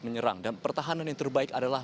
menyerang dan pertahanan yang terbaik adalah